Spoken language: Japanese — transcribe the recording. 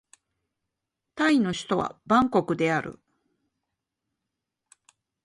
タイの首都はバンコクである